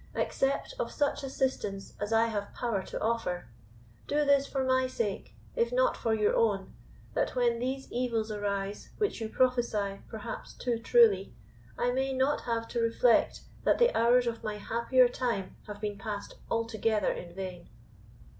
Accept of such assistance as I have power to offer; do this for my sake, if not for your own, that when these evils arise, which you prophesy perhaps too truly, I may not have to reflect, that the hours of my happier time have been passed altogether in vain."